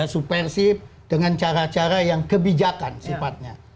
supersib dengan cara cara yang kebijakan sifatnya